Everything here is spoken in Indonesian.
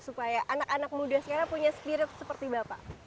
supaya anak anak muda sekarang punya spirit seperti bapak